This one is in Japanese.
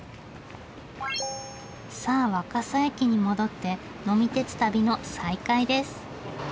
さあ若桜駅に戻って呑み鉄旅の再開です。